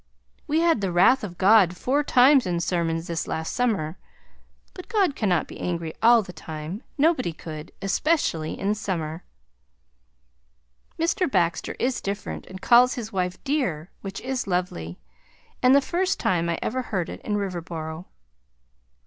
We had the wrath of God four times in sermons this last summer, but God cannot be angry all the time, nobody could, especially in summer; Mr. Baxter is different and calls his wife dear which is lovely and the first time I ever heard it in Riverboro.